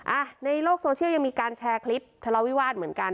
อ่ะในโลกโซเชียลยังมีการแชร์คลิปทะเลาวิวาสเหมือนกัน